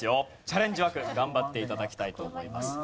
チャレンジ枠頑張って頂きたいと思います。